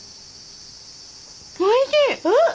おいしい！